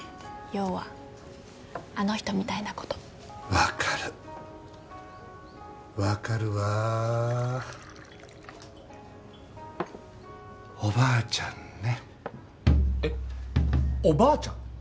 要はあの人みたいなこと分かる分かるわおばあちゃんねえっおばあちゃん？